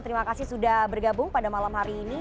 terima kasih sudah bergabung pada malam hari ini